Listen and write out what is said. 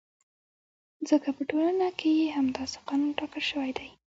ځکه په ټولنه کې یې همداسې قانون ټاکل شوی دی.